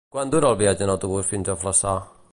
Quant dura el viatge en autobús fins a Flaçà?